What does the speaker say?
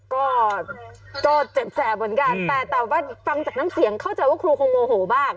ก็ก็เจ็บแสบเหมือนกันแต่แต่ว่าฟังจากน้ำเสียงเข้าใจว่าครูคงโมโหมาก